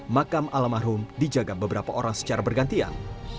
makam alam arhum dijaga beberapa orang secara bergantian